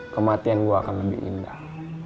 kematian gue akan lebih indah